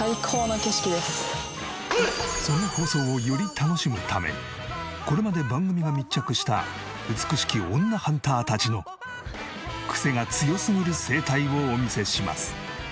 その放送をより楽しむためこれまで番組が密着した美しき女ハンターたちのクセが強すぎる生態をお見せします。